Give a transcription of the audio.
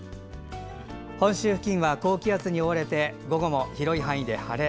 本州付近は高気圧に覆われて午後も広い範囲で晴れ。